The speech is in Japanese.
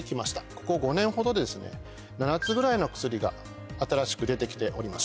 ここ５年ほどで７つぐらいの薬が新しく出てきております。